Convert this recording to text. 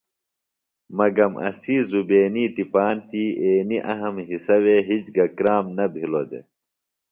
مگم اسی زبینی تپان تی اینوࣿ اہم حصہ وے ہِج گہ کرام نہ بِھلوࣿ دےۡ۔